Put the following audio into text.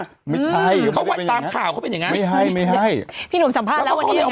เขาตามข่าวเขาเป็นอย่างงั้นไม่ใช่ไม่ให้พี่หนุ่มสัมภาษณ์แล้วว่า